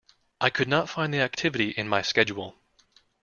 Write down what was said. I could not find the activity in my Schedule.